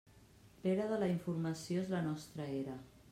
L'era de la informació és la nostra era.